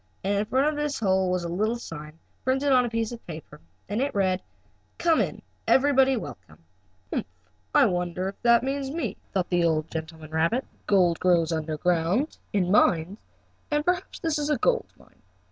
And in front of this hole was a little sign, printed on a piece of paper, and it read: "COME IN! EVERYBODY WELCOME." "Humph! I wonder if that means me?" thought the old gentleman rabbit. "Let's see, gold grows under ground, in mines, and perhaps this is a gold mine.